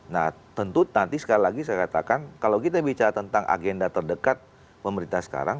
nah tentu nanti sekali lagi saya katakan kalau kita bicara tentang agenda terdekat pemerintah sekarang